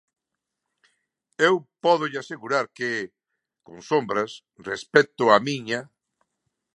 Eu pódolle asegurar que, con sombras, respecto a miña.